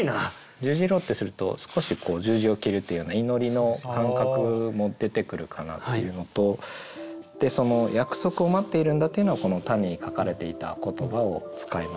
「十字路」ってすると少し十字を切るっていうような祈りの感覚も出てくるかなっていうのと約束を待っているんだっていうのはこの「たね」に書かれていた言葉を使いました。